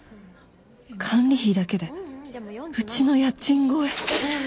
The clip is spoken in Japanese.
管理費だけでうちの家賃超え